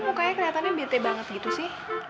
muka muka kliatannya bete banget gitu sih